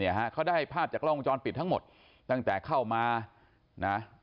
เนี่ยเขาได้ภาพจากล้องปิดทั้งหมดตั้งแต่เข้ามานะ